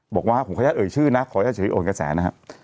บอกว่าผมขออนุญาตเอ่ยชื่อนะขออนุญาตเฉยโอนกระแสนะฮะ